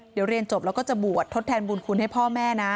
เดี๋ยวเรียนจบแล้วก็จะบวชทดแทนบุญคุณให้พ่อแม่นะ